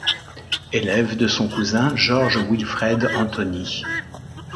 Élève de son cousin Georges Wilfred Anthony.